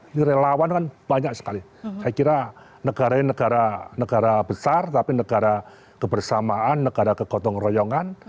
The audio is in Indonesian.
ini relawan kan banyak sekali saya kira negara ini negara negara besar tapi negara kebersamaan negara kegotong royongan